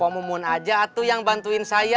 pemumun aja tuh yang bantuin saya